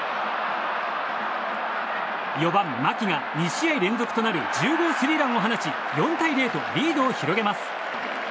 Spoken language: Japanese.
４番、牧が２試合連続となる１０号スリーランを放ち４対０とリードを広げます。